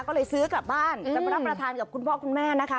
ก็เลยซื้อกลับบ้านจะไปรับประทานกับคุณพ่อคุณแม่นะคะ